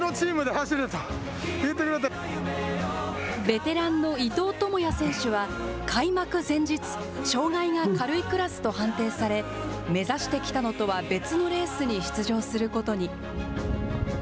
ベテランの伊藤智也選手は開幕前日、障害が軽いクラスと判定され、目指してきたのとは別のレースに出場することに。